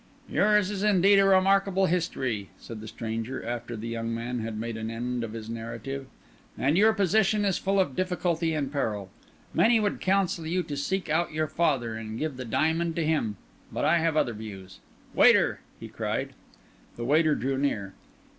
"Yours is indeed a remarkable history," said the stranger, after the young man had made an end of his narrative; "and your position is full of difficulty and peril. Many would counsel you to seek out your father, and give the diamond to him; but I have other views. Waiter!" he cried. The waiter drew near.